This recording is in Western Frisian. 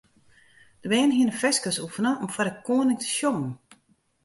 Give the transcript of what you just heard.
De bern hiene ferskes oefene om foar de koaning te sjongen.